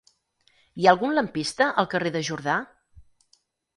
Hi ha algun lampista al carrer de Jordà?